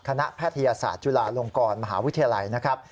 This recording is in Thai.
แพทยศาสตร์จุฬาลงกรมหาวิทยาลัยนะครับ